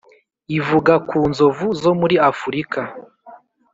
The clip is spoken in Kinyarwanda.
ivuga ku Nzovu zo muri Afurika.